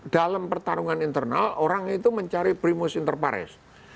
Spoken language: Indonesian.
dalam pertarungan internal orang itu mencari primus inter pares